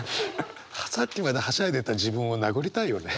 さっきまではしゃいでた自分を殴りたいよね。